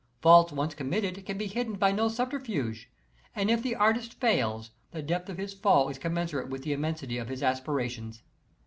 Faults once committed can be hidden by no subterfuge, and if the artist fails the depth of his fall is commensurate with the immensity of his aspirations.